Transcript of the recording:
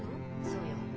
そうよ。